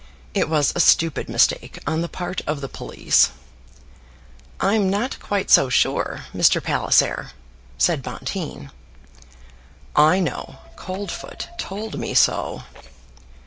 It was a stupid mistake on the part of the police." "I'm not quite so sure, Mr. Palliser," said Bonteen. "I know Coldfoot told me so."